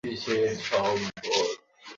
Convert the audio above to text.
তাহলে অন্য কোনো সময়?